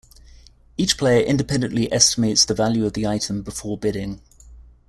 Each player independently estimates the value of the item before bidding.